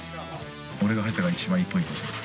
俺が入ったのが一番いいポイ